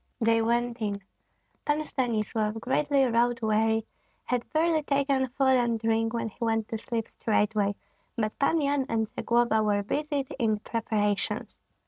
They went in. Pan Stanislav, greatly road weary, had barely taken food and drink when he went to sleep straightway; but Pan Yan and Zagloba were busied in preparations.